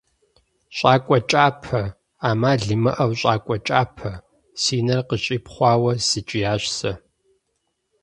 ЩӀакӀуэ кӀапэ! Ӏэмал имыӀэу, щӀакӀуэ кӀапэ! – си нэр къыщипхъуауэ сыкӀиящ сэ.